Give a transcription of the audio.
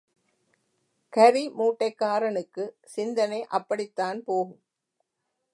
கரி மூட்டைக்காரனுக்குச் சிந்தனை அப்படித்தான் போகும்.